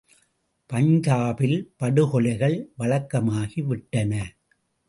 பஞ்சாபில் படுகொலைகள் வழக்கமாகி விட்டன.